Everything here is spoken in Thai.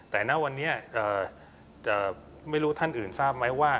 แต่ณวันนี้ไม่รู้ท่านอื่นทราบไหมว่า